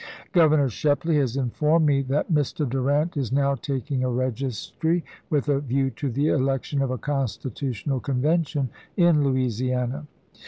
Governor Shepley has informed me that Mr. Durant is now taking a registry, with a view to the election of a Constitutional Convention in Louisiana.